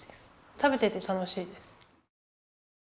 食べてて楽しいです。